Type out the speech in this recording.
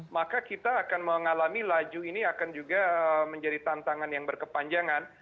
maka kita akan mengalami laju ini akan juga menjadi tantangan yang berkepanjangan